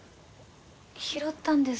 拾ったんです。